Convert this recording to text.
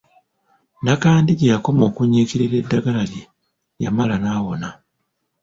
Nakandi gye yakoma okunyiikirira eddagala lye, yamala n'awona.